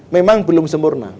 memang belum sempurna